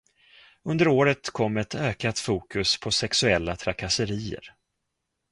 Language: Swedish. Under året kom ett ökat fokus på sexuella trakasserier.